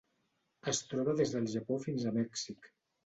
Es troba des del Japó fins a Mèxic.